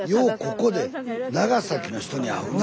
ここで長崎の人に会うな。